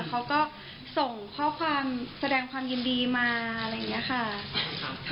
เขาก็ส่งข้อความแสดงความยินดีมาอะไรอย่างนี้ค่ะ